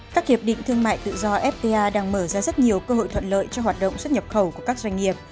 các hiệp định thương mại tự do fta đang mở ra rất nhiều cơ hội thuận lợi cho hoạt động xuất nhập khẩu của các doanh nghiệp